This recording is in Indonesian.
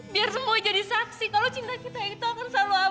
biar semua jadi saksi kalau cinta kita itu akan selalu apa